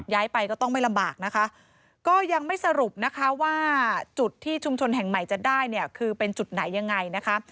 ย้ายไปก็ต้องไม่ลำบากนะคะก็ยังไม่สรุปนะคะว่าจุดที่ชุมชนแห่งใหม่จะได้เนี่ยคือเป็นจุดไหนยังไงนะคะ